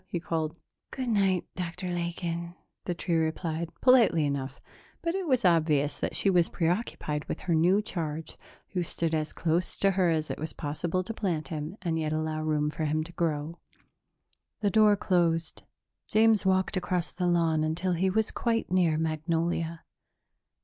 he called. "Good night, Dr. Lakin," the tree replied, politely enough, but it was obvious that she was preoccupied with her new charge, who stood as close to her as it was possible to plant him and yet allow room for him to grow. The door closed. James walked across the lawn until he was quite near Magnolia.